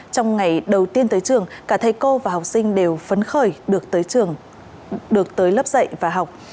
trong ngày đầu tiên tới trường cả thầy cô và học sinh đều phấn khởi được tới lớp dạy và học